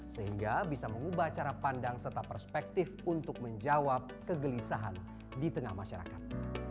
sehingga bisa mengubah cara pandang serta perspektif untuk menjawab kegelisahan di tengah masyarakat